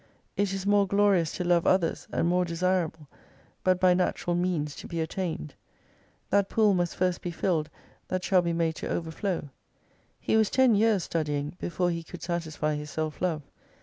It is more glorious to love others, and more desirable, but by natural means to be attained. That pool must first be filled that shall be made to overflow. He was ten years studying before he could satisfy his self love.